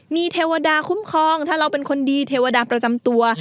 มีเทวดาคุ้มครองถ้าเราเป็นคนดีเทวดาประจำตัว